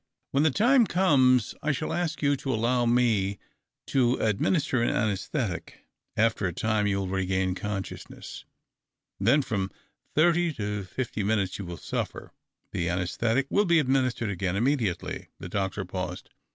AVlien the time comes I shall ask you to allow me to ad minister an au aesthetic. After a time you will regain consciousness. Then from thirty to fifty seconds you will suffer. The anassthetic will be administered again immediately." The doctor paused.